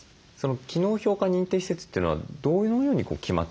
機能評価認定施設というのはどのように決まっていくんでしょうか？